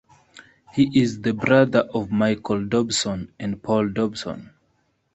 He is the brother of Michael Dobson and Paul Dobson.